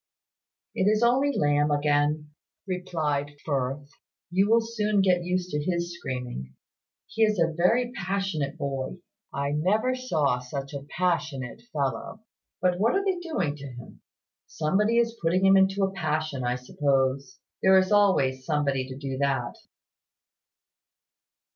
"It is only Lamb again," replied Firth. "You will soon get used to his screaming. He is a very passionate boy I never saw such a passionate fellow." "But what are they doing to him?" "Somebody is putting him into a passion, I suppose. There is always somebody to do that."